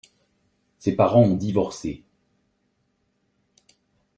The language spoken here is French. Ses parents ont divorcé.